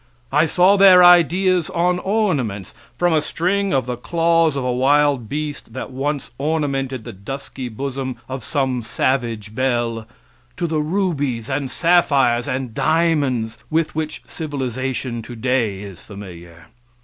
I saw their ideas on ornaments, from a string of the claws of a wild beast that once ornamented the dusky bosom of some savage belle, to the rubies and sapphires and diamonds with which civilization today is familiar.